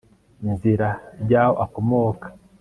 izina ry'aho akomoka